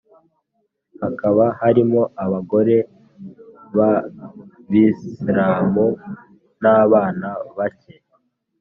hakaba harimo abagore b Abisilamu n abana bake